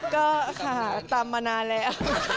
ก็ค่ะตำมานานแล้ว